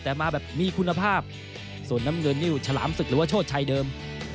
แต่มาแบบมีคุณภาพส่วนน้ำเงินนี่ฉลามศึกหรือว่าโชชัยเดิม